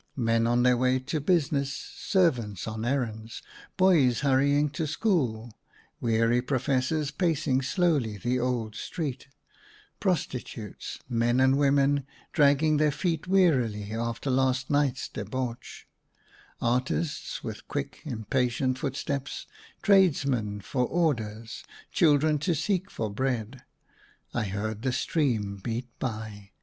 Men on their way to business ; servants on errands ; boys hurrying to school ; weary professors pacing slowly the old street ; prostitutes, men and women, dragging their feet wearily after last night's debauch ; artists with quick, impatient footsteps ; tradesmen for orders ; children to seek for bread. I heard the stream beat by.